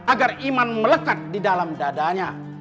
agar iman melekat di dalam dadanya